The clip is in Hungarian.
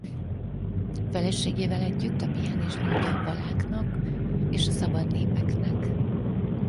Feleségével együtt a pihenést nyújtja a valáknak és a szabad népeknek.